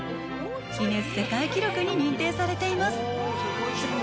ギネス世界記録に認定されています。